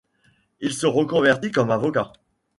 Il se reconvertit comme avocat.